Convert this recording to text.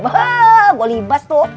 boleh ibas tuh